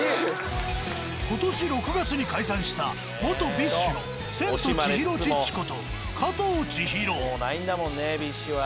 今年６月に解散した元ＢｉＳＨのセントチヒロ・チッチこともうないんだもんねＢｉＳＨは。